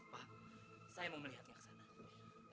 pak saya mau melihatnya ke sana